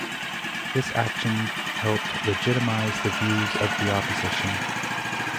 This action helped legitimize the views of the opposition.